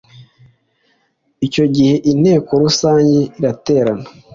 Icyo gihe Inteko Rusange iraterana